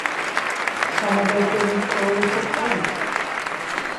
আমাদেরকে মিথ্যে বলেছো তুমি?